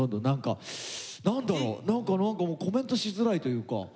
何か何かもうコメントしづらいというか。